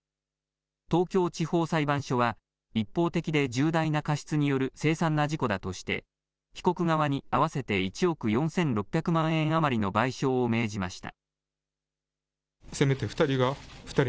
東京地方裁判所は、一方的で重大な過失による凄惨な事故だとして、被告側に合わせて１億４６００万円余りの賠償を命じました。